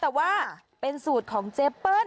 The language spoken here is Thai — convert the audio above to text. แต่ว่าเป็นสูตรของเจเปิ้ล